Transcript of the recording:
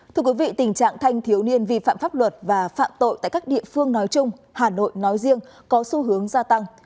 thưa quý vị tình trạng thanh thiếu niên vi phạm pháp luật và phạm tội tại các địa phương nói chung hà nội nói riêng có xu hướng gia tăng